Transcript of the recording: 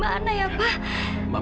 post hab tacknya aja